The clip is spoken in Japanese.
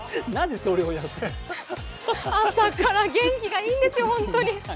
朝から元気がいいんですよ、本当に。